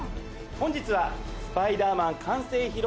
本日は『スパイダーマン』完成披露